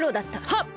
はっ。